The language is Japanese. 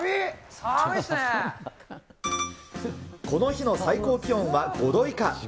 この日の最高気温は５度以下。